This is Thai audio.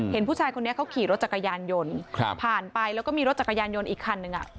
เห็นผู้ชายคนนี้เขาขี่รถจักรยานยนต์ผ่านไปแล้วก็มีรถจักรยานยนต์อีกคันนึง